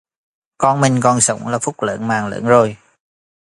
Con mình còn sống là phúc lớn mạng lớn rồi